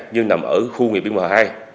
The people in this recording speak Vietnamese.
nhưng nằm ở khu nghiệp biên hòa hai